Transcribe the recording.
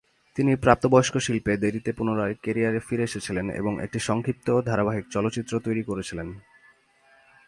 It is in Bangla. তিনি প্রাপ্তবয়স্ক শিল্পে দেরীতে পুনরায় ক্যারিয়ারে ফিরে এসেছিলেন এবং একটি সংক্ষিপ্ত ধারাবাহিক চলচ্চিত্র তৈরি করেছিলেন।